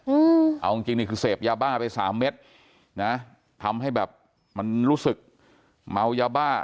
อืมเอาจริงจริงนี่คือเสพยาบ้าไปสามเม็ดนะทำให้แบบมันรู้สึกเมายาบ้า